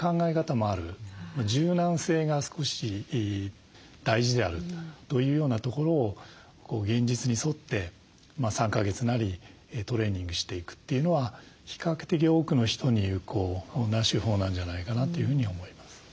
柔軟性が少し大事であるというようなところを現実に沿って３か月なりトレーニングしていくというのは比較的多くの人に有効な手法なんじゃないかなというふうに思います。